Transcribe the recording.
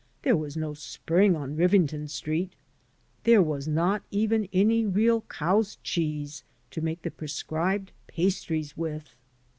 There was no spring on Rivington Street. There was not even any real cow's cheese to make the prescribed pastries with.